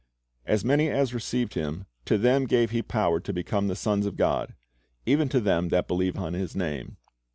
"As many as received Him, to them gave He power to become the sons of God, even to them that believe on His name."